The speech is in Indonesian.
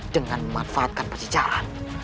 dengan memanfaatkan persicaraan